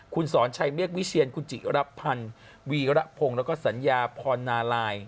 คุณสอนชัยเมฆวิเชียนคุณจิรับพันธ์วีระพงศ์แล้วก็สัญญาพรนาลาย